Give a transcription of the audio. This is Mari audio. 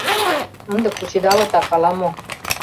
Ынде кучедалытак ала-мо...